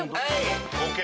ＯＫ！